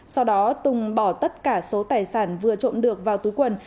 sau đó tùng bỏ tất cả số tài sản vừa trộm được vào túi quần